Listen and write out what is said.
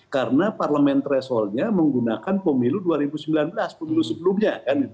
karena parlemen thresholdnya menggunakan pemilu dua ribu sembilan belas pemilu sebelumnya